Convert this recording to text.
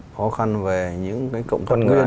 khó khăn về những cái cộng thân